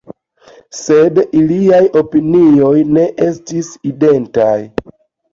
Sed iliaj opinioj ne estis identaj.